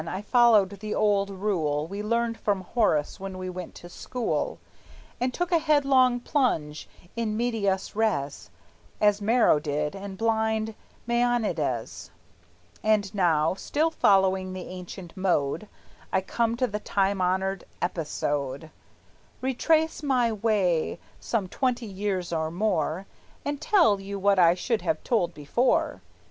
I followed the old rule We learned from Horace when we went to school, And took a headlong plunge in medias res, As Maro did, and blind Mæonides; And now, still following the ancient mode, I come to the time honored "episode," Retrace my way some twenty years or more, And tell you what I should have told before.